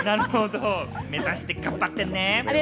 目指して頑張ってね。